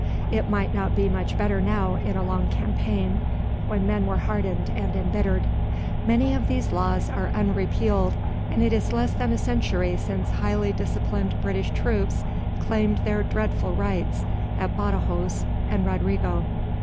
It might not be much better now in a long campaign, when men were hardened and embittered. Many of these laws are unrepealed, and it is less than a century since highly disciplined British troops claimed their dreadful rights at Badajos and Rodrigo.